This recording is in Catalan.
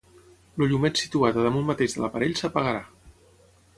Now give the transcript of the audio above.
El llumet situat a damunt mateix de l'aparell s'apagarà.